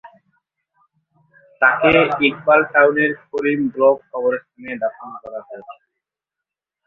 তাকে ইকবাল টাউনের করিম ব্লক কবরস্থানে দাফন করা হয়েছে।